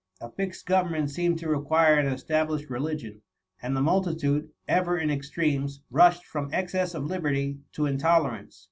A fixed government seemed to require an established religion ; and the multitude, ever in extremes, rushed from excess of liberty to intolerance.